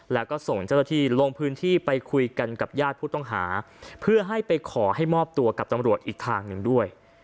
แล้วก็ส่งเจ้าหน้าที่ลงพื้นที่ไปคุยกันกับญาติผู้ต้องหาเพื่อให้ไปขอให้มอบตัวกับตำรวจอีกทางหนึ่งด้วย